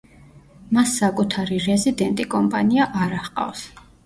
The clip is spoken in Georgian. მას საკუთარი რეზიდენტი კომპანია არა ჰყავს.